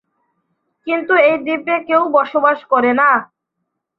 কিন্তু এখন এই দ্বীপে কেউ বসবাস করে না।